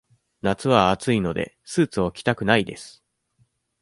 夏は暑いので、スーツを着たくないです。